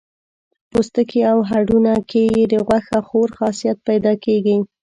پوستکي او هډونو کې یې د غوښه خور خاصیت پیدا کېږي.